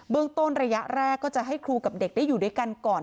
ต้นระยะแรกก็จะให้ครูกับเด็กได้อยู่ด้วยกันก่อน